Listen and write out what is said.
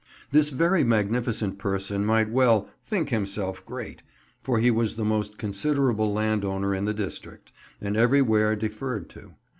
This very magnificent person might well "think himself great," for he was the most considerable landowner in the district, and everywhere deferred to.